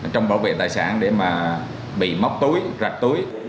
trong bảo vệ tài sản để mà bị móc túi rạch túi